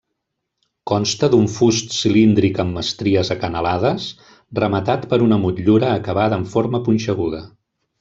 Consta d'un fust cilíndric amb estries acanalades, rematat per una motllura acabada en forma punxeguda.